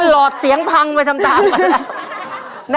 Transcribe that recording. หลอดเสียงพังไปทำตามกันนะ